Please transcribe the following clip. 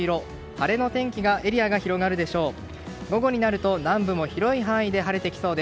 晴れの天気のエリアが広がるでしょう。